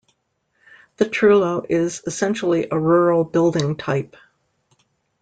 The trullo is essentially a rural building type.